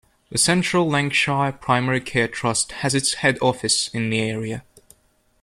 The Central Lancashire Primary Care Trust has its head office in the area.